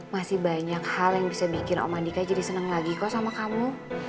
masih banyak hal yang bisa bikin omandika jadi seneng lagi kok sama kamu